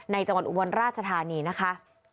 จังหวัดอุบลราชธานีนะคะ